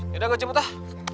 yaudah gua cipu tuh